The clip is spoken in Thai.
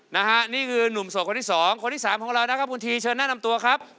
นะฮะนี่คือนุ่มโสดคนที่สองคนที่สามของเรานะครับคุณทีเชิญแนะนำตัวครับ